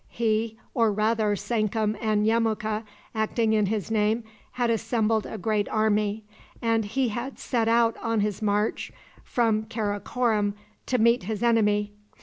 He, or rather Sankum and Yemuka, acting in his name, had assembled a great army, and he had set out on his march from Karakorom to meet his enemy.